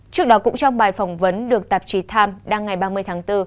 trước đó cũng trong bài phỏng vấn được tạp chí times đăng ngày ba mươi tháng bốn